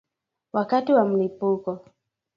Wakati wa mlipuko